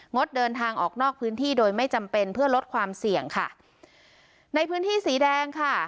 งดเดินทางออกนอกพื้นที่โดยไม่จำเป็นเพื่อลดความเสี่ยงค่ะในพื้นที่สีแดงค่ะ